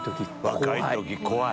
若い時怖い。